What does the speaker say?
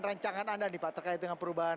rancangan anda nih pak terkait dengan perubahan